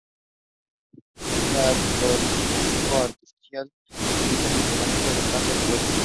Es un radioisótopo artificial que se utiliza en el tratamiento del cáncer de hueso.